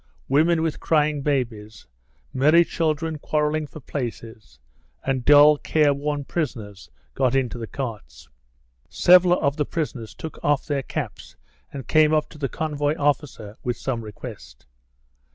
Women with crying babies, merry children quarrelling for places, and dull, careworn prisoners got into the carts. Several of the prisoners took off their caps and came up to the convoy officer with some request.